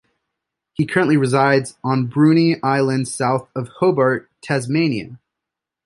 He currently resides on Bruny Island south of Hobart, Tasmania.